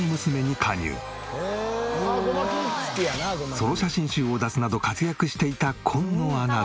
ソロ写真集を出すなど活躍していた紺野アナだが。